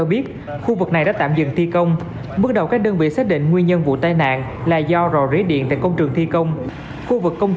bị điện giật tử vong